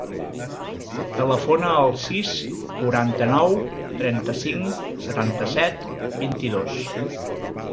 Telefona al sis, quaranta-nou, trenta-cinc, setanta-set, vint-i-dos.